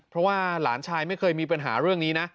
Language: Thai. เพราะว่าหลานชายไม่เคยมีปัญหาเรื่องนี้นะ